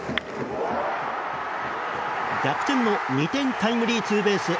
逆転の２点タイムリーツーベース。